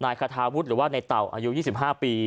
นายคาทามุดหรือว่านายเต่าอายุ๒๕ปี